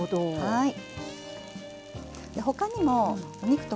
はい。